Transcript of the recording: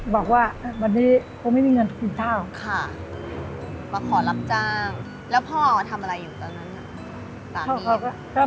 บอกว่าวันนี้โอ๊ไม่มีเงินทุนเจ้าค่ะมาขอรับจ้างแล้วพ่อทำอะไรอยู่ตอนนั้นน่ะสามีก็